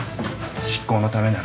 執行のためならね。